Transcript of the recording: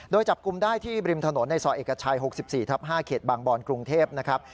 โดยจับกลุ่มได้ที่ริมถนนในซอยเอกชัย๖๔ทับ๕เขตบางบอนกรุงเทพนะครับ